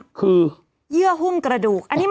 กรมป้องกันแล้วก็บรรเทาสาธารณภัยนะคะ